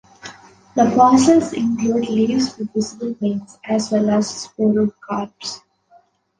The fossils include leaves with visible veins, as well as sporocarps.